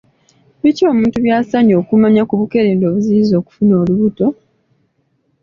Biki omuntu by'asaanye okumanya ku bukerenda obuziyiza okufuna olubuto?